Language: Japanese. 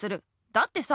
だってさ